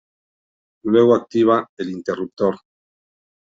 Luego activa el interruptor.